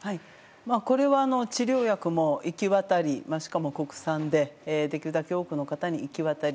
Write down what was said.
これは治療薬も行き渡りしかも国産でできるだけ多くの方に行き渡り